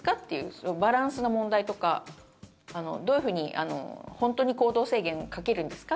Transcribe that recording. そのバランスの問題とかどういうふうに本当に行動制限かけるんですか？